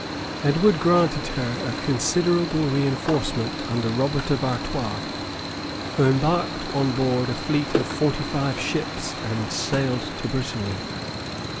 Edward granted her a considerable reënforcement under Robert of Artois, who embarked on board a fleet of forty five ships, and sailed to Brittany.